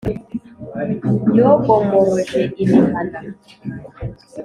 yogomoroje imihana